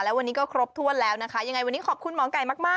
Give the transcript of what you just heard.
และวันนี้ก็ครบถ้วนแล้วนะคะยังไงวันนี้ขอบคุณหมอไก่มากมาก